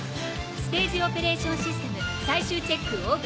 ステージオペレーションシステム最終チェックＯＫ。